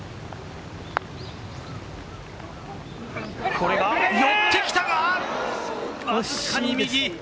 これが寄ってきたが、わずかに右。